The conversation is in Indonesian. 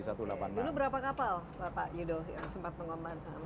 dulu berapa kapal pak yudho yang sempat mengompan